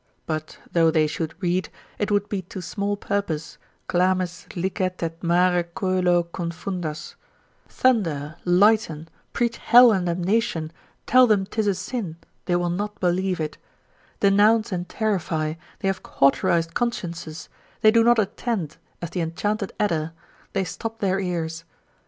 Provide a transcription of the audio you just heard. But though they should read, it would be to small purpose, clames licet et mare coelo Confundas; thunder, lighten, preach hell and damnation, tell them 'tis a sin, they will not believe it; denounce and terrify, they have cauterised consciences, they do not attend, as the enchanted adder, they stop their ears.